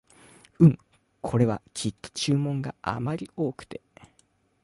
うん、これはきっと注文があまり多くて